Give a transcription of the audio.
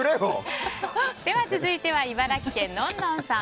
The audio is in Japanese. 続いては、茨城県の方。